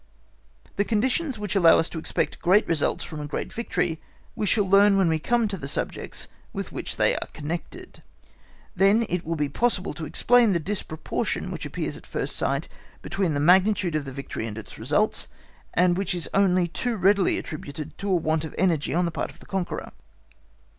The conditions which allow us to expect great results from a great victory we shall learn when we come to the subjects with which they are connected; then it will be possible to explain the disproportion which appears at first sight between the magnitude of a victory and its results, and which is only too readily attributed to a want of energy on the part of the conqueror.